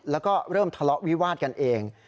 แล้วก็เริ่มทะเลาะวิวาดกันเอง